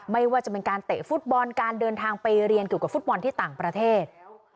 ไม่ว่าจะเป็นการเตะฟุตบอลการเดินทางไปเรียนเกี่ยวกับฟุตบอลที่ต่างประเทศ